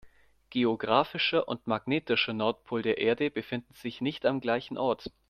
Geographischer und magnetischer Nordpol der Erde befinden sich nicht am gleichen Ort.